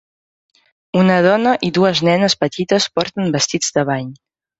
Una dona i dues nenes petites porten vestits de bany